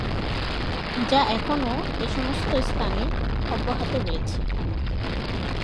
যা এখনো এ সমস্ত স্থানে অব্যহত রয়েছে।